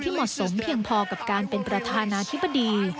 เหมาะสมเพียงพอกับการเป็นประธานาธิบดี